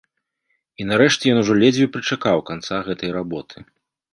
І нарэшце ён ужо ледзьве прычакаў канца гэтай работы.